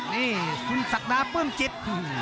นี่คุณศักดาปลื้มจิต